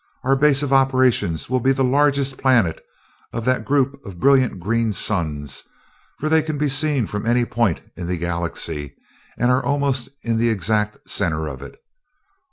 Our base of operations will be the largest planet of that group of brilliant green suns, for they can be seen from any point in the Galaxy and are almost in the exact center of it.